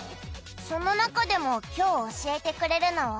その中でも今日教えてくれるのは？